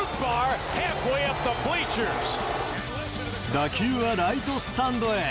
打球はライトスタンドへ。